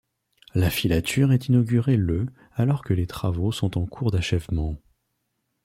La filature est inaugurée le alors que les travaux sont en cours d'achèvement.